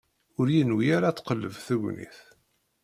Ur yenwi ara ad tqelleb tegnit.